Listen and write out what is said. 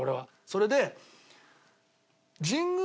それで。